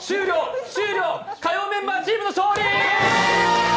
終了、火曜メンバーチームの勝利。